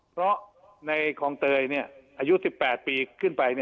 เพราะในคลองเตยอายุ๑๘ปีขึ้นไป